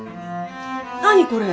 何これ？